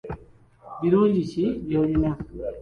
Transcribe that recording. Birungi ki by'olina?